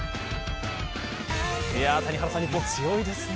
谷原さん、日本強いですね。